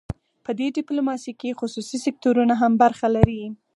په دې ډیپلوماسي کې خصوصي سکتورونه هم برخه لري